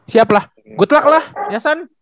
siap lah good luck lah ya san